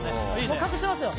もう隠してますよ